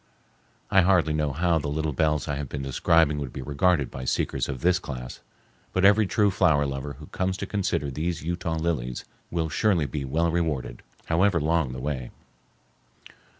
I hardly know how the little bells I have been describing would be regarded by seekers of this class, but every true flower lover who comes to consider these Utah lilies will surely be well rewarded, however long the way.